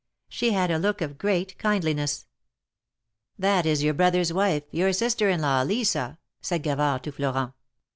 She had a look of great kindliness. *'That is your brother's wife, your sister in law, Lisa," said Gavard to Florent.